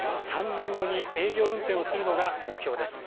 ３年後に営業運転をするのが目標です。